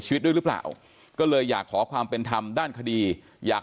ชีวิตด้วยหรือเปล่าก็เลยอยากขอความเป็นธรรมด้านคดีอยาก